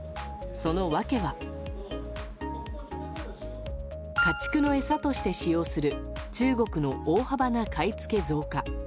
その訳は家畜の餌として使用する中国の大幅な買い付け増加。